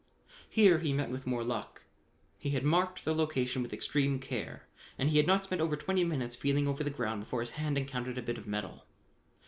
Here he met with more luck. He had marked the location with extreme care and he had not spent over twenty minutes feeling over the ground before his hand encountered a bit of metal.